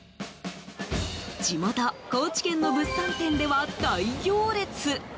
地元・高知県の物産展では大行列。